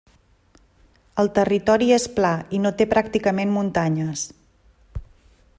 El territori és pla i no té pràcticament muntanyes.